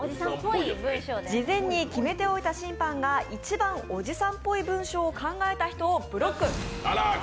事前に決めておいた審判が一番おじさんっぽい文章を考えた人をブロック。